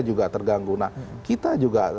juga terganggu nah kita juga